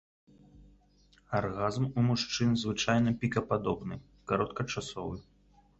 Аргазм у мужчын звычайна пікападобны, кароткачасовы.